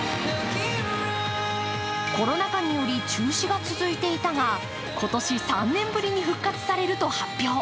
コロナ禍により中止が続いていたが今年、３年ぶりに復活されると発表。